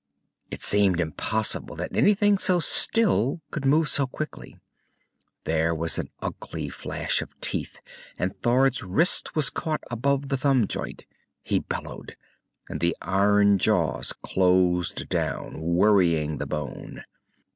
It seemed impossible that anything so still could move so quickly. There was an ugly flash of teeth, and Thord's wrist was caught above the thumb joint. He bellowed, and the iron jaws closed down, worrying the bone.